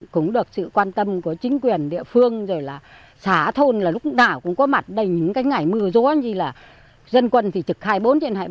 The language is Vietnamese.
cũng được sự quan tâm của chính quyền địa phương xã thôn là lúc nào cũng có mặt đầy những cái ngải mưa gió gì là dân quân thì trực hai mươi bốn trên hai mươi bốn